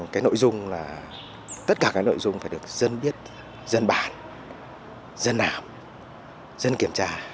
cái nội dung là tất cả cái nội dung phải được dân biết dân bàn dân làm dân kiểm tra